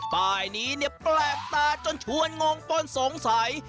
ป้ายนี้เนี่ยแปลกตาจนชวนงงต้นสงสัย